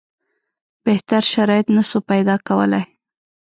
بهتر شرایط نه سو پیدا کولای.